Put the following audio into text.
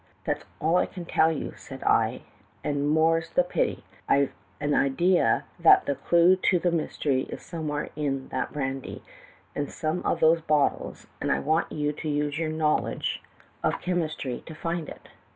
"'That's all I can tell you,' said I, 'and more's the pity. I've an idea that the clue to the m^'stery is somewhere in that brandy, in some of those bottles, and I want you to use your knowl A CHEMICAL DETECTIVE. 303 edge of chemistry to find it.